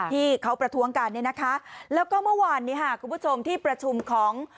ที่เขาประท้วงกันเนี่ยนะคะแล้วก็เมื่อวานนี้ค่ะคุณผู้ชมที่ประชุมของ